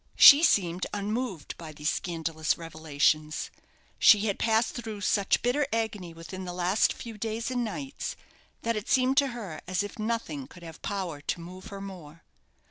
She seemed unmoved by these scandalous revelations. She had passed through such bitter agony within the last few days and nights, that it seemed to her as if nothing could have power to move her more.